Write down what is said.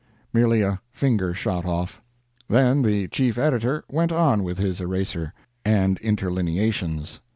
Merely a finger shot off. Then the chief editor went on with his erasure; and interlineations.